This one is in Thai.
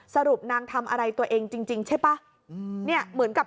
สรุปนางทำอะไรตัวเองจริงใช่ป่ะ